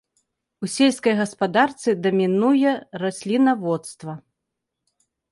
У сельскай гаспадарцы дамінуе раслінаводства.